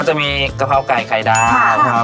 ก็จะมีกะเพราไก่ไข่ดาว